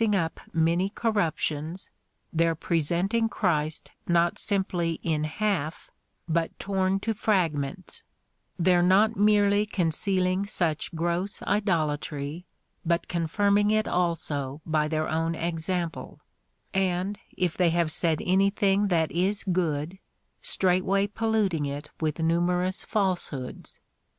I shall say nothing of their mixing up many corruptions, their presenting Christ not simply in half, but torn to frag ments, ' their not merely concealing such gross idolatry, but confirming it also by their own example, and, if they have said anything that is good, straightway polluting it with numerous falsehoods.